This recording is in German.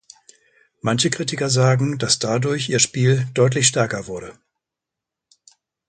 Manche Kritiker sagen, dass dadurch ihr Spiel deutlich stärker wurde.